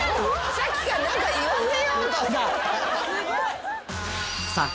さっきから何か言わせようと。